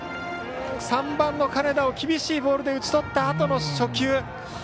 ３番の金田を厳しいボールで打ち取ったあとの初球。